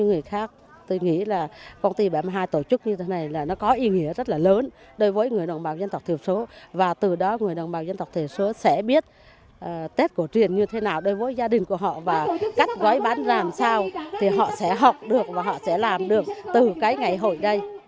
nó có ý nghĩa rất là lớn đối với người đồng bào dân tộc thiểu số và từ đó người đồng bào dân tộc thiểu số sẽ biết tết cổ truyền như thế nào đối với gia đình của họ và cách gói bán làm sao thì họ sẽ học được và họ sẽ làm được từ cái ngày hội đây